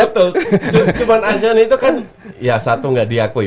betul cuma asean itu kan ya satu nggak diakui